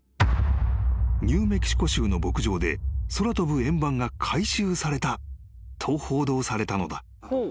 ［ニューメキシコ州の牧場で空飛ぶ円盤が回収されたと報道されたのだ］